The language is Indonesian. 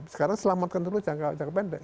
sekarang selamatkan dulu jangka pendek